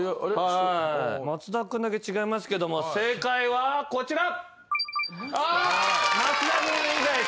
松田君だけ違いますけども正解はこちら。